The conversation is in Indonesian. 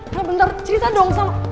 saya bentar cerita dong sama